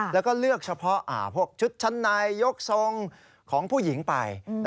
แล้วก็เลือกเฉพาะพวกชุดชั้นในยกทรงของผู้หญิงไป